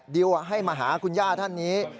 ดิวให้มาหาคุณย่าท่านนี้